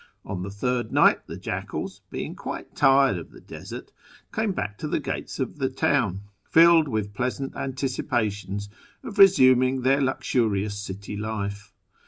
On the third night the jackals, being quite tired of the desert, came back to the gates of the town, filled with pleasant antici pations of resuming their luxurious city life.